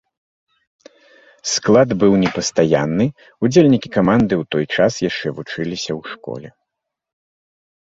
Склад быў непастаянны, удзельнікі каманды ў той час яшчэ вучыліся ў школе.